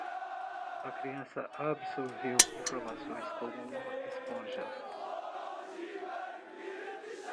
A criança absorveu informações como uma esponja.